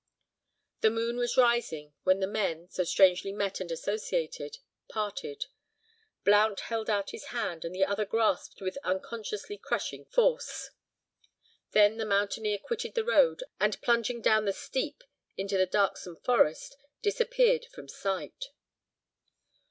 The moon was rising, when the men—so strangely met, and associated—parted. Blount held out his hand, which the other grasped with unconsciously crushing force. Then the mountaineer quitted the road, and plunging down the steep into the darksome forest, disappeared from sight.